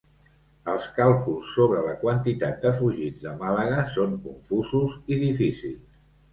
Els càlculs sobre la quantitat de fugits de Màlaga són confusos i difícils.